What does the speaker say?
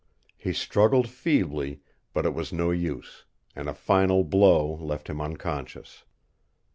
He struggled feebly, but it was no use, and a final blow left him unconscious.